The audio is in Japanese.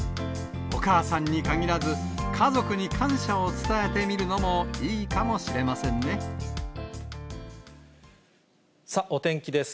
お母さんにかぎらず、家族に感謝を伝えてみるのもいいかもしれまお天気です。